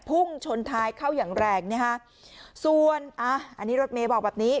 พุ่งชนท้ายเข้าอย่างแรงนะฮะส่วนอ่าอันนี้รถเมย์บอกแบบนี้